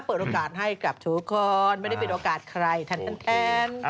เปิดโอกาสให้กับทุกคนไม่ได้เป็นโอกาสใครแทน